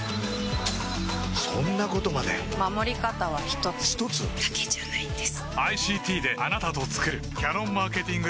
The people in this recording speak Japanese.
そんなことまで守り方は一つ一つ？だけじゃないんです